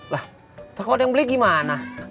lah terus kalo ada yang beli gimana